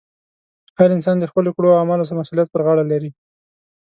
هر انسان د خپلو کړو اعمالو مسؤلیت پر غاړه لري.